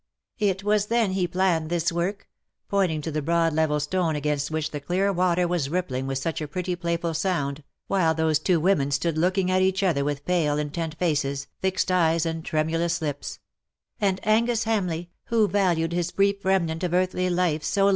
It was then he planned this work,'' pointing to the broad level stone against which the clear water was rippling with such a pretty playful sound, while those two women stood looking at each other with pale intent faces, fixed eyes, and tremulous lips ;" and Angus Ilamlcigh, who valued his brief remnant of earthly life so 56 DUEL OR MURDER?